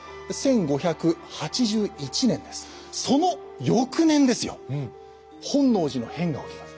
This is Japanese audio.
その翌年ですよ本能寺の変が起きます。